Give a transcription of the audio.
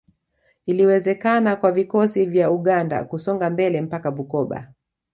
Iliwezekana kwa vikosi vya Uganda kusonga mbele mpaka Bukoba